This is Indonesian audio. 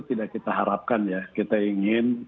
tidak kita harapkan ya kita ingin